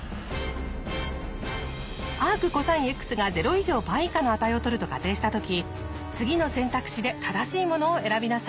アークコサインｘが０以上パイ以下の値をとると仮定したとき次の選択肢で正しいものを選びなさい。